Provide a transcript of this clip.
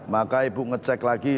maka ibu ngecek lagi